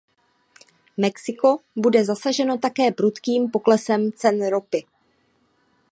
Mexiko bude zasaženo také prudkým poklesem cen ropy.